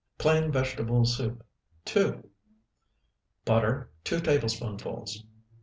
PLAIN VEGETABLE SOUP (2) Butter, 2 tablespoonfuls.